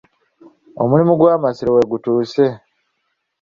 Omulimu gw'Amasiro we gutuuse